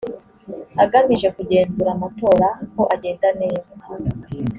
agamije kugenzura amatora ko agenda neza